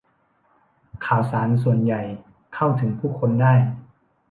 ข่าวสารส่วนใหญ่เข้าถึงผู้คนได้